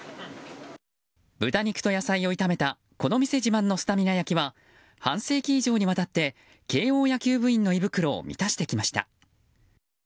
豚肉と野菜を炒めたこの店自慢のスタミナ焼きは半世紀以上にわたって慶応野球部員の胃袋を満たしてきました。